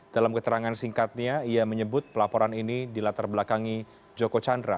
dalam keterangan singkatnya ia menyebut pelaporan ini dilatar belakangi joko chandra